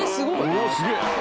おおすげえ！